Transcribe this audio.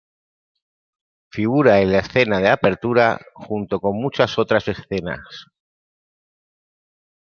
Figura en la escena de apertura, junto con muchas otras escenas.